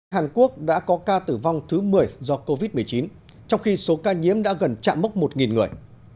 hàn quốc đã có ca tử vong thứ một mươi do covid một mươi chín trong khi số ca nhiễm đã gần chạm mốc một người